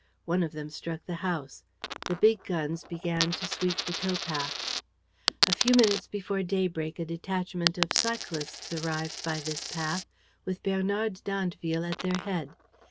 One of them struck the house. The big guns began to sweep the towpath. A few minutes before daybreak, a detachment of cyclists arrived by this path, with Bernard d'Andeville at their head.